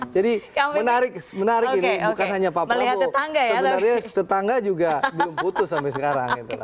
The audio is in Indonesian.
jadi menarik ini bukan hanya pak prabowo sebenarnya tetangga juga belum putus sampai sekarang